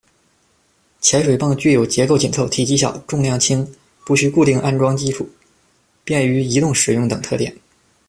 潜水泵具有结构紧凑，体积小，重量轻，不需固定安装基础，便于移动使用等特点。